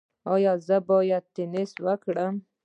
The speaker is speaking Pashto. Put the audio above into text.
ایا زه باید ټینس وکړم؟